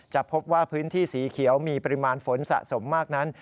จะพบว่าพื้นที่สีเขียวมีปริมาณฝนสะสมมากนั้น